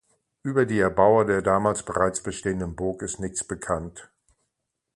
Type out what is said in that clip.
Über die Erbauer der damals bereits bestehenden Burg ist nichts bekannt.